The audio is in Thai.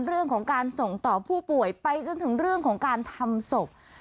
เรื่องของการส่งต่อผู้ป่วยไปจนถึงเรื่องของการทำศพ